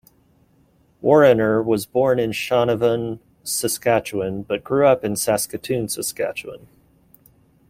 Warrener was born in Shaunavon, Saskatchewan, but grew up in Saskatoon, Saskatchewan.